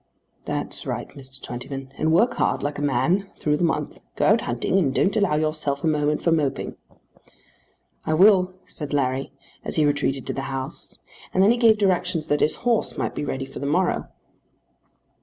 "That's right, Mr. Twentyman; and work hard, like a man, through the month. Go out hunting, and don't allow yourself a moment for moping." "I will," said Larry, as he retreated to the house, and then he gave directions that his horse might be ready for the morrow.